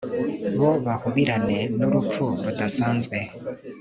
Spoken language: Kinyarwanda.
bo bahubirane n'urupfu rudasanzwe